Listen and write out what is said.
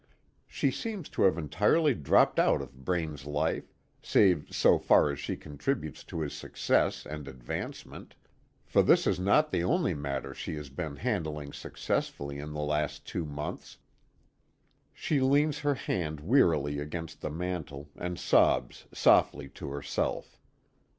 She seems to have entirely dropped out of Braine's life, save so far as she contributes to his success and advancement for this is not the only matter she has been handling successfully in the last two months. She leans her head wearily against the mantel, and sobs softly to herself.